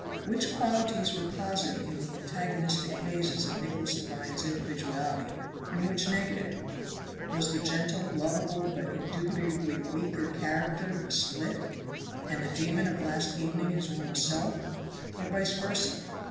Which qualities were positive in the antagonistic phases of Nicholas Devine's individuality, and which negative? Was the gentle, lovable, but indubitably weaker character the split, and the demon of last evening his normal self? Or vice versa?